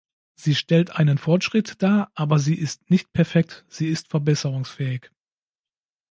Sie stellt einen Fortschritt dar, aber sie ist nicht perfekt, sie ist verbesserungsfähig.